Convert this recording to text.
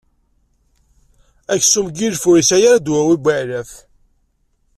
Aksum n yilef ur yesεi ara ddwawi n weεlaf.